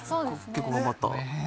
結構頑張った。